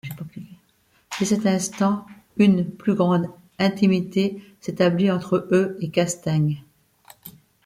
Dès cet instant, une plus grande intimité s’établit entre eux et Castaing.